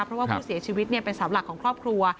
เพราะว่าผู้เสียชีวิตเป็นสาวหลักของครอบครัว